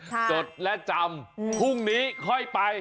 จดและจำพรุ่งนี้ค่อยไป